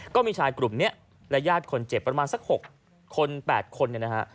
ก็มีชายกลุ่มนี้ระยาดคนเจ็บประมาณสัก๖๘คน